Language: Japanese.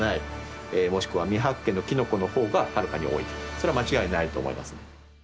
それは間違いないと思いますね。